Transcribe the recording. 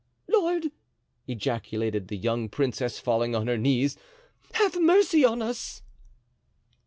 "Lord!" ejaculated the young princess, falling on her knees, "have mercy on us!"